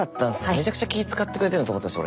めちゃくちゃ気遣ってくれてると思ったんです俺。